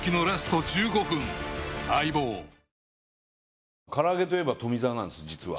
ニトリ唐揚げといえば富澤なんです実は。